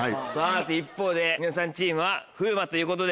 一方で『ニノさん』チームは風磨ということで。